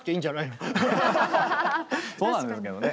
そうなんですけどね。